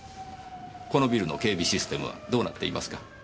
このビルの警備システムはどうなっていますか？